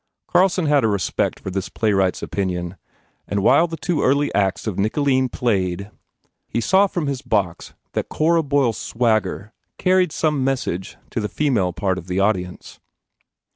Carlson had a respect for this playwright s opinion and while the two early acts of "Nicoline" played he saw from his box that Cora Boyle s swagger carried some message to the female part of the audience.